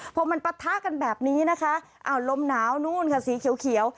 พอมันปะทะกันแบบนี้นะคะอ้าวลมหนาวนู่นค่ะสีเขียว